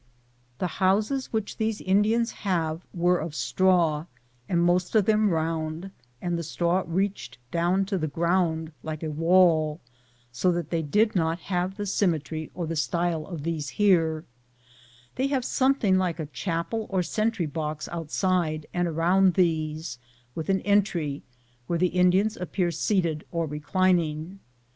The houses which these Indians have were of straw, and most of them round, and the straw reached down to the ground like a wall, so that they did not have the sym metry or the style of these here ; they have something like a chapel or sentry box out side and around these, with an entry, where the Indians appear seated or reclining.